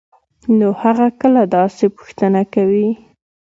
نو هغه کله داسې پوښتنه کوي؟؟